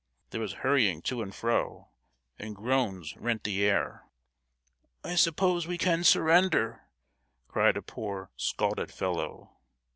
There was hurrying to and fro, and groans rent the air. "I suppose we can surrender," cried a poor, scalded fellow.